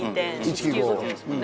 ｋｍですもんね。